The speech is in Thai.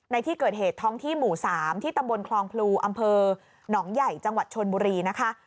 ในที่เกิดเหตุท้องที่หมู่๓ที่ตำบลคลองพลูอำเภอหนองใหญ่จังหวัดชนบุรีนะคะ